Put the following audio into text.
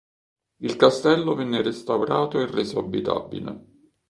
Il castello venne restaurato e reso abitabile.